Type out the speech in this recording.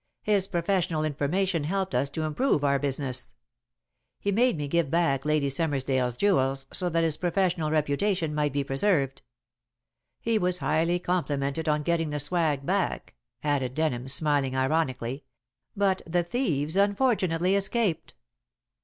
His professional information helped us to improve our business. He made me give back Lady Summersdale's jewels, so that his professional reputation might be preserved. He was highly complimented on getting the swag back," added Denham, smiling ironically, "but the thieves unfortunately escaped."